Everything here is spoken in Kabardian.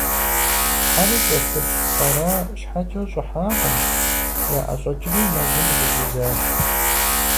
Хьэр кӀэлъыпхъэра щхьэкӀэ, щӀыхьакъым - яӀэщӀэкӀри, мэзым зыщӀидзащ.